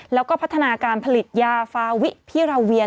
แล้วก็พัฒนาการผลิตยาฟาวิพิราเวีย